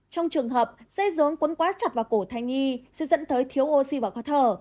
trong trường hợp xe rốn quấn quá chặt vào cổ thai nhi sẽ dẫn tới thiếu oxy và khó thở